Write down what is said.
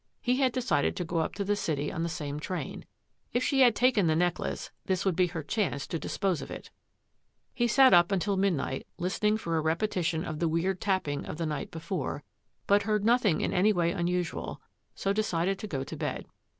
He had de cided to go up to the city on the same train. If she had taken the necklace, this would be her chance to dispose of it. He sat up until after midnight listening for a repetition of the weird tapping of the night be fore, but heard nothing in any way unusual, so decided to go to bed.